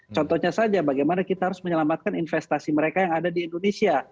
contohnya saja bagaimana kita harus menyelamatkan investasi mereka yang ada di indonesia